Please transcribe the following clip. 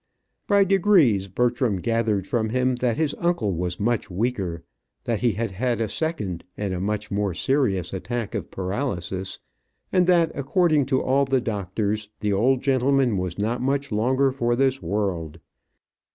By degrees Bertram gathered from him that his uncle was much weaker, that he had had a second and a much more severe attack of paralysis, and that according to all the doctors, the old gentleman was not much longer for this world.